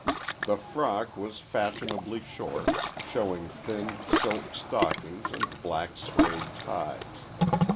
The frock was fashionably short, showing thin silk stockings and black suede ties.